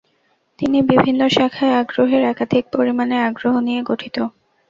তিনি বিভিন্ন শাখায় আগ্রহের একাধিক পরিমাণের আগ্রহ নিয়ে গঠিত